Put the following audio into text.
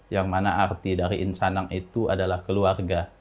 yang mana arti dari insanang itu adalah keluarga